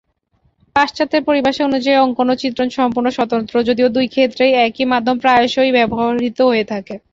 পাশ্চাত্যের পরিভাষা অনুযায়ী, অঙ্কন ও চিত্রণ সম্পূর্ণ স্বতন্ত্র, যদিও দুই ক্ষেত্রেই একই মাধ্যম প্রায়শই ব্যবহৃত হয়ে থাকে।